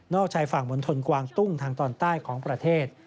นอกใช้ฝั่งบนทนกวางตุ้งทางตอนใต้ของประเทศ